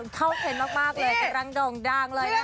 เท่าเท็นมากเลยจะรังดงดังเลยนะครับ